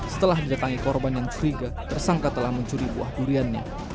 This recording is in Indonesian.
setelah didatangi korban yang curiga tersangka telah mencuri buah duriannya